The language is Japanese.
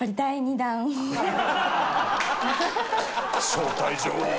招待状を。